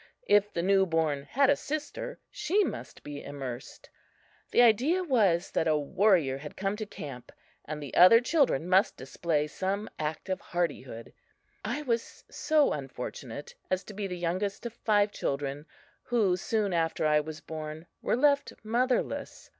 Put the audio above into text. If the new born had a sister, she must be immersed. The idea was that a warrior had come to camp, and the other children must display some act of hardihood. I was so unfortunate as to be the youngest of five children who, soon after I was born, were left motherless.